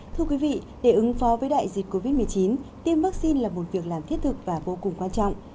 thưa quý vị để ứng phó với đại dịch covid một mươi chín tiêm vaccine là một việc làm thiết thực và vô cùng quan trọng